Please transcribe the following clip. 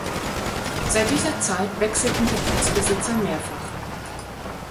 Seit dieser Zeit wechselten die Gutsbesitzer mehrfach.